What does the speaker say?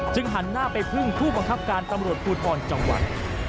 หันหน้าไปพุ่งผู้บังคับการตำรวจภูทรจังหวัด